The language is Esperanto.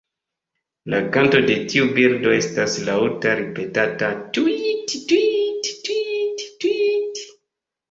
La kanto de tiu birdo estas laŭta ripetata "tŭiit-tŭiit-tŭiit-tŭiit".